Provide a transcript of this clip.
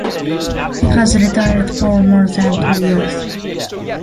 He has retired for more than two years.